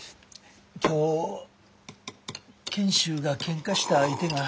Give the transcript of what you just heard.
今日賢秀がケンカした相手が。